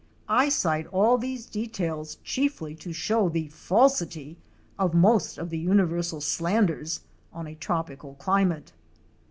I cite all these details chiefly to show the falsity of most of the universal slanders on a tropical climate.